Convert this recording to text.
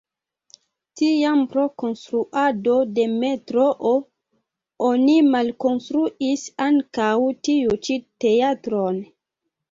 Tiam pro konstruado de metroo oni malkonstruis ankaŭ tiu ĉi teatron.